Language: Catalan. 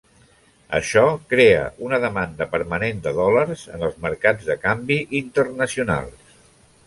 Això crea una demanda permanent de dòlars en els mercats de canvi internacionals.